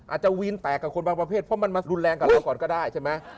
อาจจะวีนแตกกับคนบางประเภทเพราะมันมารุนแรงกับเราก่อนก็ได้ใช่ไหม